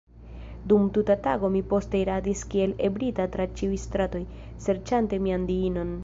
Dum tuta tago mi poste iradis kiel ebria tra ĉiuj stratoj, serĉante mian diinon.